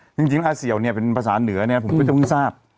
จริงแล้วอาเซียวเป็นภาษาเหนือผมก็จะเพิ่งทราบ